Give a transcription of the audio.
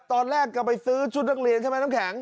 ตอนแรกจะไปซื้อชุดนักเรียนใช่ไหมน้ำแข็ง